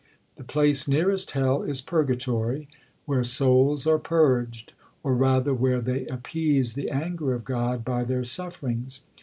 The place nearest Hell is Purgatory, where souls are purged, or rather where they appease the anger of God by their sufferings.